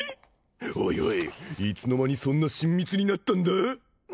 おいおいいつの間にそんな親密になったんだ？